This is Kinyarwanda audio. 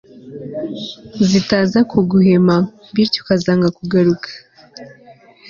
zitaza kuguhema bintyo ukazanga kugaruka